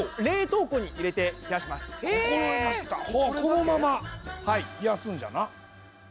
このまま冷やすんじゃな。